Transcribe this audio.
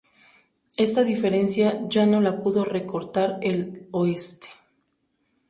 Esta diferencia ya no la pudo recortar el Oeste.